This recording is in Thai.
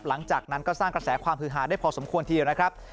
หลังจากนั้นก็สร้างกระแสความฮือหาได้พอสมควรทีเดียวนะครับ